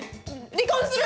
離婚する！